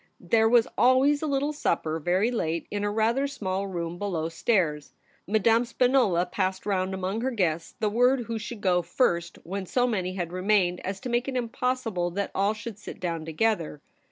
There was alw^ays a little supper very late in a rather small room below stairs ; Madame Spinola passed round among her guests the word who should go first, when so many had remained as to make it impossible that all should sit down together.